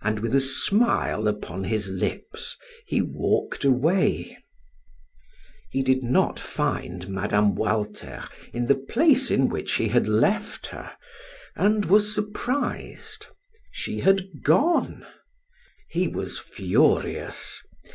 And with a smile upon his lips, he walked away. He did not find Mme. Walter in the place in which he had left her, and was surprised. She had gone. He was furious.